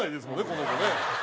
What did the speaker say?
この子ね。